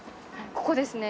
ここですね。